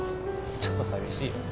ちょっと寂しいよ。